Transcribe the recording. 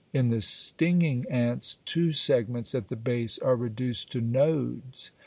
6, 1); in the stinging ants two segments at the base are reduced to nodes (fig.